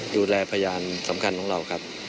พยานสำคัญของเราครับ